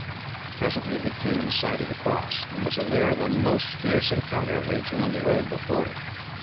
Presently he came in sight of the cross, and was aware of a most fierce encounter raging on the road before it.